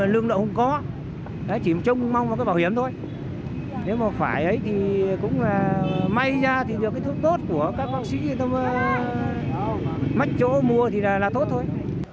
lương đậu không có chỉ trông mong vào cái bảo hiểm thôi nếu mà phải ấy thì cũng là may ra thì được cái thuốc tốt của các bác sĩ mất chỗ mua thì là tốt thôi